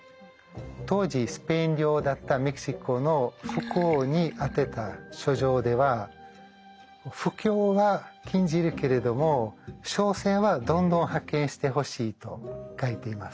当時スペイン領だったメキシコの副王に宛てた書状では布教は禁じるけれども商船はどんどん派遣してほしいと書いています。